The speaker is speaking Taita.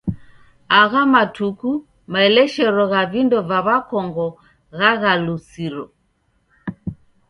Agha matuku maeleshero gha vindo va w'akongo ghaghalusiro.